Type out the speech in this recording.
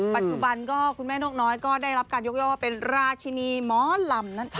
ปัจจุบันก็คุณแม่นกน้อยก็ได้รับการยกย่อว่าเป็นราชินีหมอลำนั่นเอง